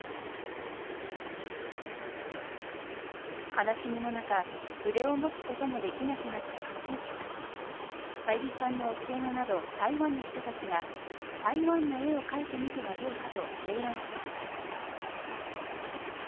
悲しみの中、筆を持つこともできなくなった克之さんに小百合さんの教え子など台湾の人たちが台湾の絵を描いてみてはどうかと提案しました。